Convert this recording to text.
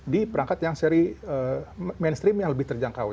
di perangkat yang seri mainstream yang lebih terjangkau